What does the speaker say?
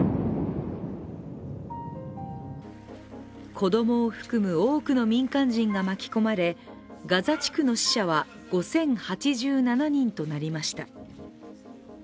子供を含む多くの民間人が巻き込まれガザ地区の死者は５０８７人となりました。